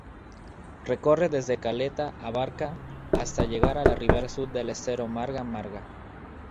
Recorre desde Caleta Abarca hasta llegar a la ribera sur del Estero Marga Marga.